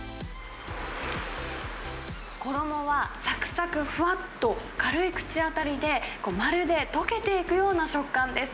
衣はさくさく、ふわっと、軽い口当たりで、まるで溶けていくような食感です。